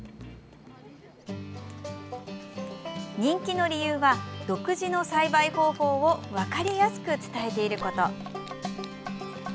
人気の理由は、独自の栽培方法を分かりやすく伝えていること。